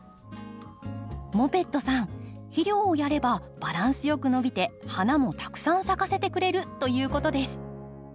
モペットさん肥料をやればバランスよく伸びて花もたくさん咲かせてくれるということです。